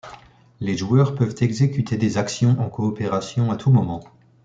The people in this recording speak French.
Les joueurs peuvent exécuter des actions en coopération à tout moment.